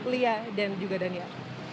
lia dan juga daniel